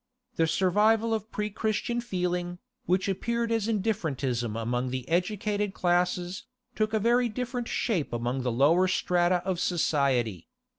The survival of pre Christian feeling, which appeared as indifferentism among the educated classes, took a very different shape among the lower strata of society.